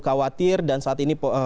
khawatir dan saat ini